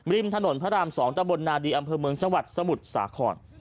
ริมถนนพระราม๒ตะบลนาดีอำเภอเมืองจังหวัดสมุทรสาคร